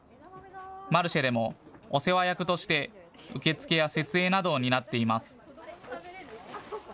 マルシェでもお世話役として受付や設営などを担っています。